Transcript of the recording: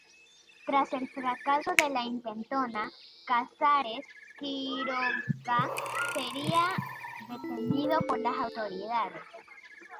Tras el fracaso de la intentona Casares Quiroga sería detenido por las autoridades.